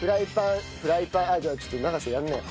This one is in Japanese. フライパンじゃあちょっと永瀬やりなよ。